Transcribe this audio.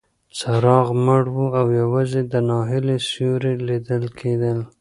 څراغ مړ و او یوازې د ناهیلۍ سیوري لیدل کېدل.